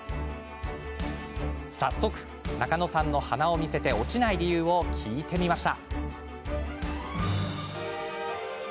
早速、中野さんの鼻を見せて落ちない理由を聞いてみました。